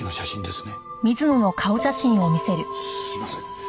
すみません